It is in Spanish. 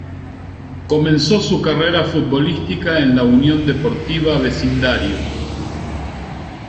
Comenzó su carrera futbolística en la Unión Deportiva Vecindario.